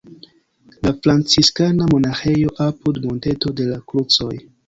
La franciskana monaĥejo apud Monteto de la Krucoj.